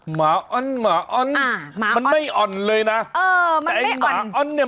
หมาอ่อนหมาอ่อนอ่าหมาอ่อนมันไม่อ่อนเลยน่ะเออมันไม่อ่อนแต่ไอ้หมาอ่อนเนี้ย